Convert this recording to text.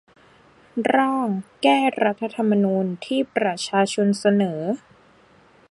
ร่าง แก้รัฐธรรมนูญ ที่ประชาชนเสนอ